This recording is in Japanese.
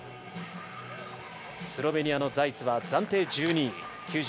スロベニアのザイツは暫定１２位。